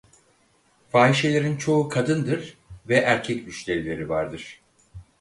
Fahişelerin çoğu kadındır ve erkek müşterileri vardır.